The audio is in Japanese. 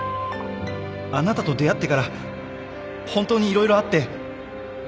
あなたと出会ってから本当に色々あって